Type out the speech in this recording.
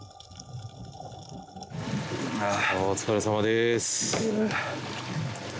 お疲れさまです。